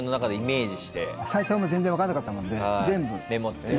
最初は全然わからなかったもんで全部メモって。